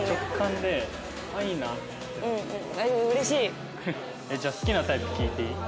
じゃあ好きなタイプ聞いていい？